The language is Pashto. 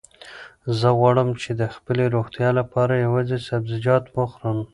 زه غواړم چې د خپلې روغتیا لپاره یوازې سبزیجات وخورم.